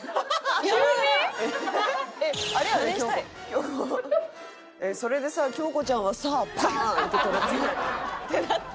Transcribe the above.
あれやで京子「それでさ京子ちゃんはさ」パーンッて取れて。ってなって。